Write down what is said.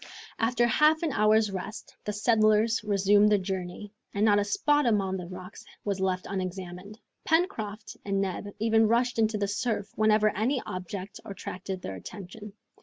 After half an hour's rest, the settlers resumed their journey, and not a spot among the rocks was left unexamined. Pencroft and Neb even rushed into the surf whenever any object attracted their attention.